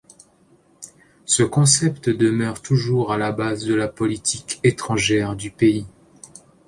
Ce concept demeure toujours à la base de la politique étrangère du pays.